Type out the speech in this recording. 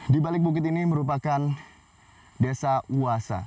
di balik bukit ini merupakan desa uasa